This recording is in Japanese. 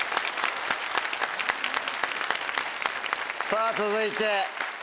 さぁ続いて。